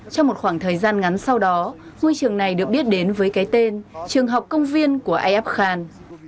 trong một khoảng thời gian ngắn sau đó ngôi trường này được biết đến với cái tên trường học công viên của ayyub khan